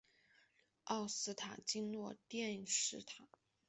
奥斯坦金诺电视塔。